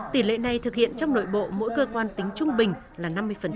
tỷ lệ này thực hiện trong nội bộ mỗi cơ quan tính trung bình là năm mươi